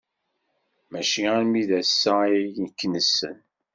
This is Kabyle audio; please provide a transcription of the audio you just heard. Maci armi d ass-a ay k-nessen.